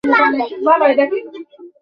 আমাদের নতুন কিছু খুঁজতে হবে।